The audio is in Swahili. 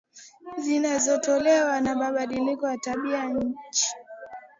zinazoletwa na mabadiliko ya tabia nchi